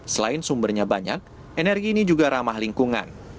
selain sumbernya banyak energi ini juga ramah lingkungan